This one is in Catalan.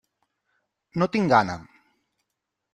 No tinc gana.